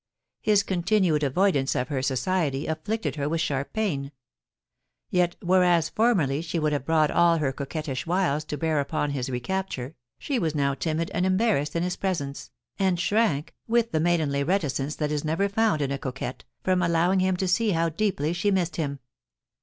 His continued avoidance of her society afflicted her with sharp pain ; yet whereas formerly she would have brought all her coquettish wiles to bear upon his recapture, she was now timid and embarrassed in his presence, and shrank, with the maidenly reticence that is never found in a coquette, from allowing him to see how deeply she missed him.